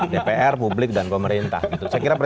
dpr publik dan pemerintah gitu